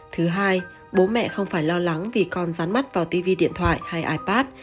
thứ hai bố mẹ không phải lo lắng vì con rán mắt vào tv điện thoại hay ipad